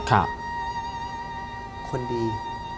คนดี